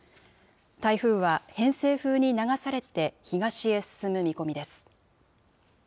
台風は偏西風に流されて東へ進む見込みです。